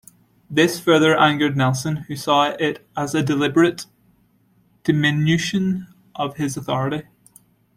This further angered Nelson who saw it as a deliberate diminution of his authority.